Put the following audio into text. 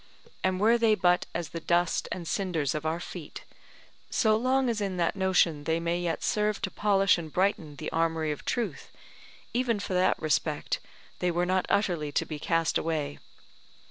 And were they but as the dust and cinders of our feet, so long as in that notion they may yet serve to polish and brighten the armoury of Truth, even for that respect they were not utterly to be cast away.